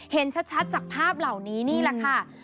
เห็นชัดจากภาพเหล่านี้นี่แหละค่ะ